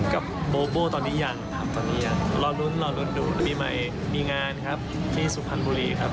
กับโบโบตอนนี้ยังรอรุ้นดูปีใหม่มีงานที่สุภัณฑุรีครับ